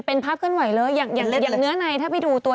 เป็นภาพเคลื่อนไหวเลยอย่างเนื้อในถ้าไปดูตัว